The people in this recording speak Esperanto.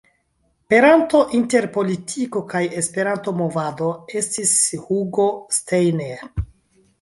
Peranto inter politiko kaj Esperanto-movado estis Hugo Steiner.